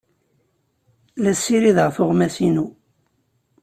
La ssirideɣ tuɣmas-inu.